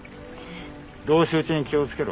同士討ちに気を付けろ。